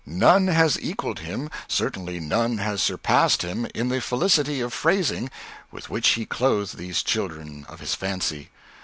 None has equalled him, certainly none has surpassed him, in the felicity of phrasing with which he clothed these children of his fancy.